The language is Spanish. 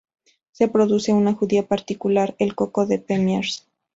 Se produce una judía particular, el "coco de Pamiers".